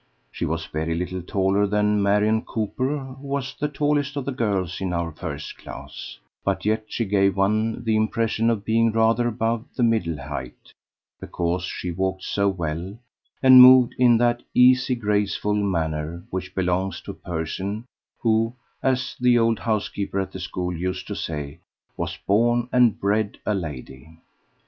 She was very little taller than Marion Cooper, who was the tallest of the girls in our first class; but yet she gave one the impression of being rather above the middle height, because she walked so well and moved in that easy graceful manner which belongs to a person who, as the old housekeeper at the school used to say, "was born and bred a lady."